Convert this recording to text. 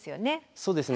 そうですね。